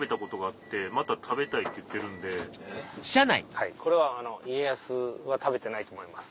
はいこれはあの家康は食べてないと思います。